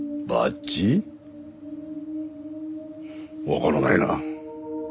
わからないな。